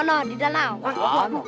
nah di danau